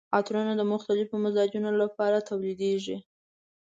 عطرونه د مختلفو مزاجونو لپاره تولیدیږي.